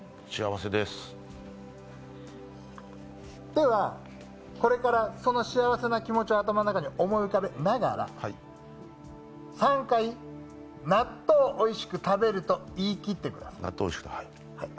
では、これからその幸せな気持ちを頭の中に思い浮かべながら３回、納豆おいしく食べると言い切ってください。